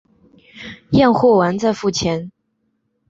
验货完再付钱